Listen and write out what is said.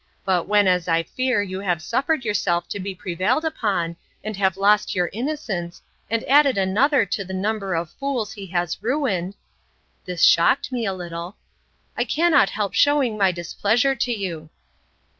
But when, as I fear, you have suffered yourself to be prevailed upon, and have lost your innocence, and added another to the number of the fools he has ruined, (This shocked me a little,) I cannot help shewing my displeasure to you.